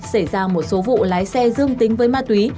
xảy ra một số vụ lái xe dương tính với ma túy